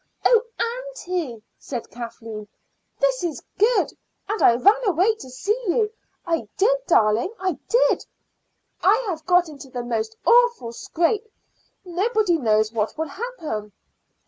"Ah, aunty!" said Kathleen, "this is good. And I ran away to see you. I did, darling; I did. I have got into the most awful scrape; nobody knows what will happen.